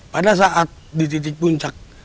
pada saat di titik puncak